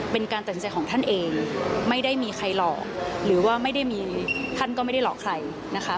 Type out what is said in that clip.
เป็นการตัดสินใจของท่านเองไม่ได้มีใครหลอกหรือว่าไม่ได้มีท่านก็ไม่ได้หลอกใครนะคะ